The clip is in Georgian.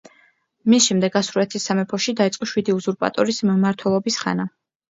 მის შემდეგ ასურეთის სამეფოში დაიწყო შვიდი უზურპატორის მმართველობის ხანა.